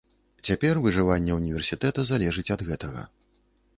Цяпер выжыванне ўніверсітэта залежыць ад гэтага.